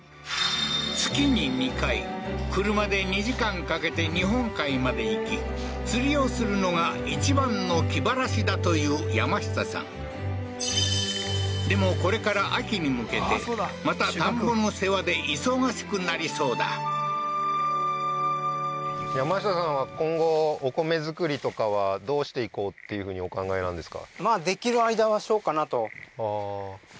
月に２回車で２時間かけて日本海まで行き釣りをするのが一番の気晴らしだという山下さんでもこれから秋に向けてまた田んぼの世話で忙しくなりそうだ山下さんは今後お米作りとかはどうしていこうっていうふうにお考えなんですか？